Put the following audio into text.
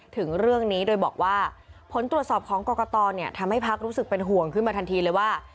ถึงเรื่องนี้โดยบอกว่าผลตรวจสอบของกรกตทำให้พักรู้สึกเป็นห่วงขึ้นมาทันทีเลยว่า